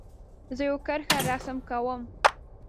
زه یو کرښه رسم کوم.